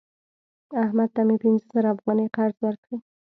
احمد ته مې پنځه زره افغانۍ قرض ورکړی